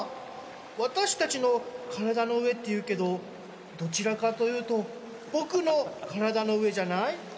「私達の体の上」って言うけどどちらかというと僕の体の上じゃない？